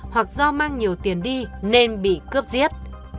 hoặc do mang nhiều tiền đi nên bị cướp giết